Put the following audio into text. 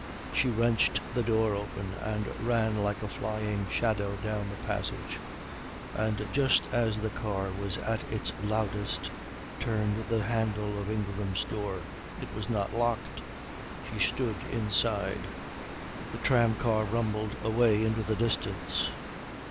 She wrenched the door open and ran like a flying shadow down the passage, and just as the car was at its loudest turned the handle of Ingram's door. It was not locked. She stood inside. The tramcar rumbled away into the distance.